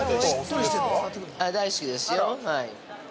◆あ、大好きですよ。